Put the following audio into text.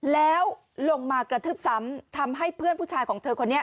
แล้วลงมากระทืบซ้ำทำให้เพื่อนผู้ชายของเธอคนนี้